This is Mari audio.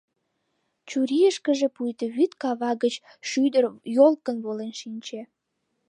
Чурийышкыже пуйто йӱд кава гыч шӱдыр йолкын волен шинче.